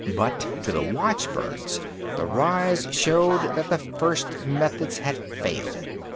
But to the watchbirds, the rise showed that the first methods had failed.